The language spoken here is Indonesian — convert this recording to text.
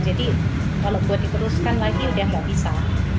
jadi kalau buat diperuskan lagi sudah tidak bisa